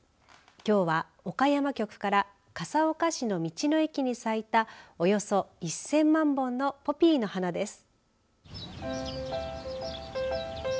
きょうは岡山局から笠岡市の道の駅に咲いたおよそ１０００万本のポピーの花です。